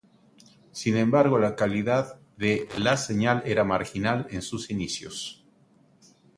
Sin embargo, la calidad de l a señal era marginal en sus inicios.